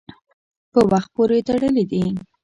په وخت پورې تړلي دي.